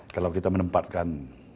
kalau kita menempatkan